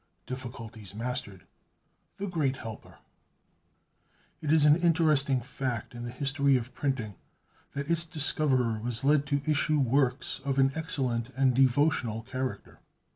Difficulties mastered. The Great Helper. It is an interesting fact in the history of printing that its discoverer was led to issue works of an excellent and devotional character.